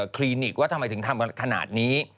คลินิกว่าทำไมถึงทำขนาดนี้